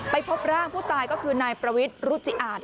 พบร่างผู้ตายก็คือนายประวิทย์รุจิอาจ